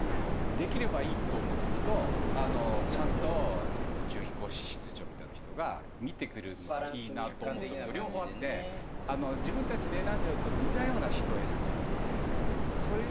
できればいいと思うときとちゃんと宇宙飛行士室長みたいな人がみてくれるのがいいと思うときと両方あって自分たちで選んじゃうと似たような人選んじゃうので。